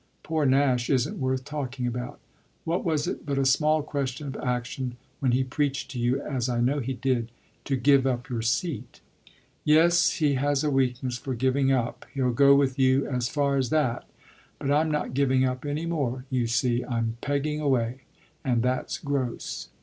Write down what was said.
"Poor Nash isn't worth talking about. What was it but a small question of action when he preached to you, as I know he did, to give up your seat?" "Yes, he has a weakness for giving up he'll go with you as far as that. But I'm not giving up any more, you see. I'm pegging away, and that's gross."